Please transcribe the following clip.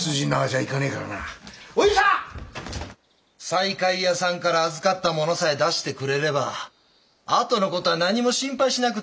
西海屋さんから預かったものさえ出してくれれば後の事は何も心配しなくていいんだよ。